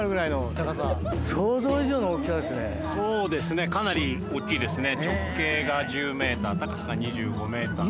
そうですねかなり大きいですね。